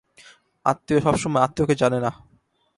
আত্মীয় সব সময় আত্মীয়কে জানে না।